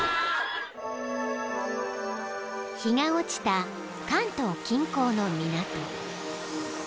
［日が落ちた関東近郊の港］